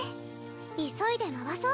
急いで回そう。